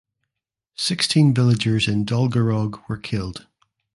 Sixteen villagers in Dolgarrog were killed.